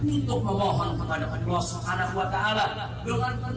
untuk memohon kepada allah swt dengan penuh pengharapan agar allah swt